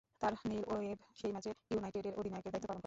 তাই Neil Webb সেই ম্যাচে ইউনাইটেডের অধিনায়কের দায়িত্ব পালন করেন।